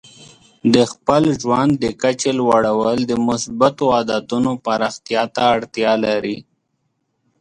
د خپل ژوند د کچې لوړول د مثبتو عادتونو پراختیا ته اړتیا لري.